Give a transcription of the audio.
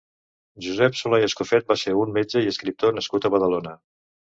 Josep Solà i Escofet va ser un metge i escriptor nascut a Badalona.